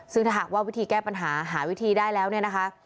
ซึ่งถ้าหากว่าวิธีแก้ปัญหาหาวิธีได้แล้วเนี่ยนะคะ